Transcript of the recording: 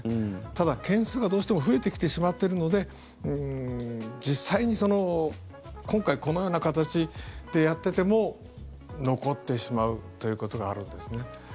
ただ、件数がどうしても増えてきてしまっているので実際に今回、このような形でやってても残ってしまうということがあるんですね。